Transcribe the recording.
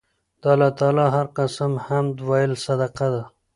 د الله تعالی هر قِسم حمد ويل صدقه ده